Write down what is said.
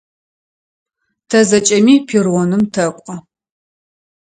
Тэ зэкӏэми перроным тэкӏо.